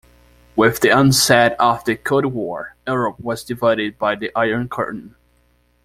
With the onset of the Cold War, Europe was divided by the Iron Curtain.